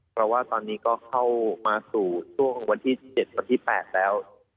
เพราะว่าตอนนี้ก็เข้ามาสู่ช่วงวันที่๗วันที่๘แล้ว